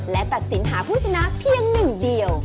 และตัดสินหาผู้ชนะเพียงหนึ่งเดียว